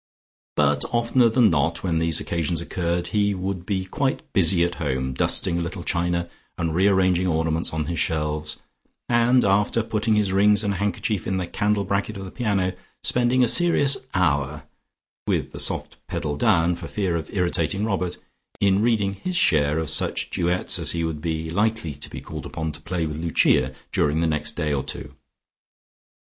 But oftener than not when these occasions occurred, he would be quite busy at home, dusting a little china, and rearranging ornaments on his shelves, and, after putting his rings and handkerchief in the candle bracket of the piano, spending a serious hour (with the soft pedal down, for fear of irritating Robert) in reading his share of such duets as he would be likely to be called upon to play with Lucia during the next day or two.